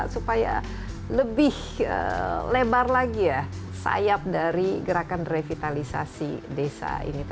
toto dan setelah yang berikut ini kita akan lanjut